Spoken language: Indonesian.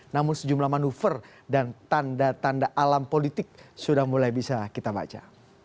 namun sejumlah manuver dan tanda tanda alam politik sudah mulai bisa kita baca